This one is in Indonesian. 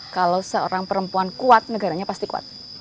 kalau seorang perempuan kuat negaranya pasti kuat